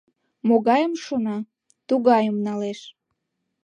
Могайым шона, тугайым налеш.